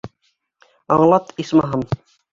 Аңлат, исмаһам!